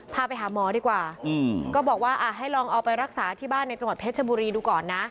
พาไปหาหมอดีกว่าก็บอกว่าให้ลองเอาไปรักษาที่บ้านในจังหวัดเพชรบุรีดูก่อนนะ